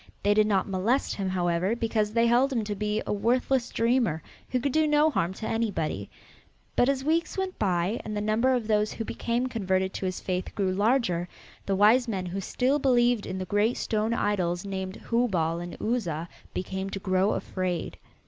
They did not molest him, however, because they held him to be a worthless dreamer who could do no harm to anybody. But as weeks went by, and the number of those who became converted to his faith grew larger, the wise men who still believed in the great stone idols named Hubal and Uzza began to grow afraid.